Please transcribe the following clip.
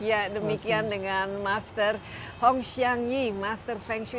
ya demikian dengan master hong shanyi master feng shui